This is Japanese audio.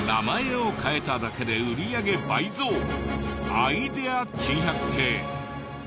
アイデア珍百景。